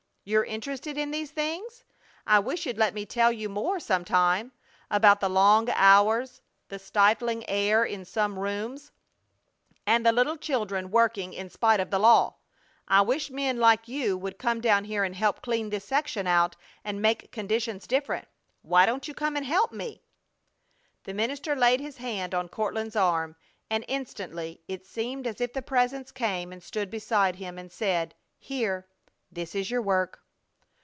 You're interested in these things? I wish you'd let me tell you more some time. About the long hours, the stifling air in some rooms, and the little children working in spite of the law! I wish men like you would come down here and help clean this section out and make conditions different! Why don't you come and help me?" The minister laid his hand on Courtland's arm, and instantly it seemed as if the Presence came and stood beside him and said: "Here! This is your work!"